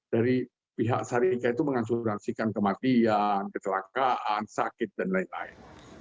dari pihak syarikat itu mengasuransikan kematian kecelakaan sakit dan lain lain